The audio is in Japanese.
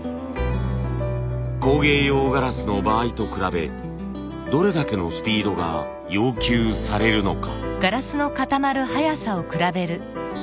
工芸用ガラスの場合と比べどれだけのスピードが要求されるのか？